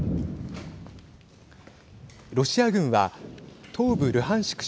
ロシア軍は東部ルハンシク